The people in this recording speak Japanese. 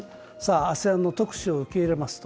ＡＳＥＡＮの特使を受け入れますと。